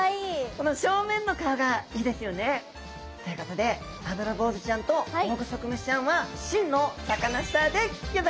この正面の顔がいいですよね。ということでアブラボウズちゃんとオオグソクムシちゃんは真のサカナスターでギョざいます。